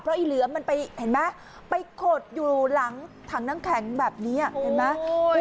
ไอ้เหลือมมันไปเห็นไหมไปขดอยู่หลังถังน้ำแข็งแบบนี้เห็นไหม